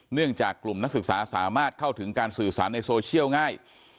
เนื่องจากกลุ่มนักศึกษาสามารถเข้าถึงการสื่อสารในโซเชียลง่าย